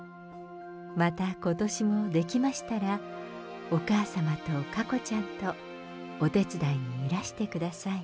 また、ことしも、できましたら、お母様と佳子ちゃんとお手伝いにいらしてください。